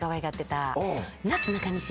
なすなかにし。